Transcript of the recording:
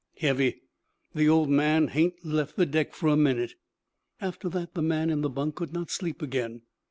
'Heavy. The Old Man hain't left the deck for a minute.' After that the man in the bunk could not sleep again.